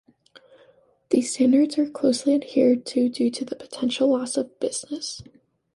These standards are closely adhered to due to the potential loss of business.